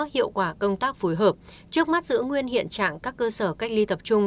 hiệu quả công tác phối hợp trước mắt giữ nguyên hiện trạng các cơ sở cách ly tập trung